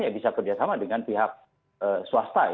ya bisa kerjasama dengan pihak swasta